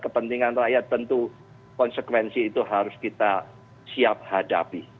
kepentingan rakyat tentu konsekuensi itu harus kita siap hadapi